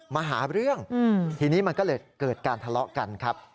มาหาเรื่องทีนี้มันก็เลยเกิดการทะเลาะกันครับ